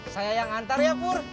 saya yang nganter ya pur